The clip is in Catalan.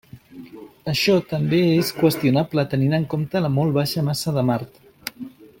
Això també és qüestionable tenint en compte la molt baixa massa de Mart.